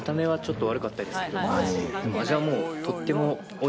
でも味はもう。